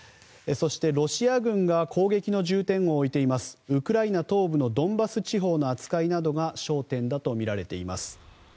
そして、ロシア軍が攻撃の重点を置いていますウクライナ東部のドンバス地方の扱いなどが焦点だとみられています。